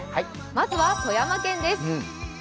まずは富山県です。